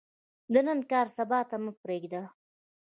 د نن کار، سبا ته مه پریږده.